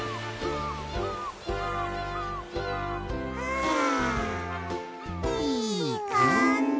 はあいいかんじ。